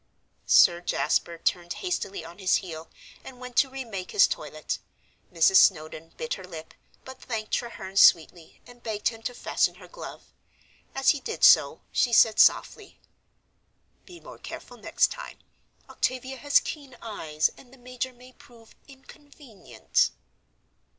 Sir Jasper turned hastily on his heel and went to remake his toilet; Mrs. Snowdon bit her lip, but thanked Treherne sweetly and begged him to fasten her glove. As he did so, she said softly, "Be more careful next time. Octavia has keen eyes, and the major may prove inconvenient."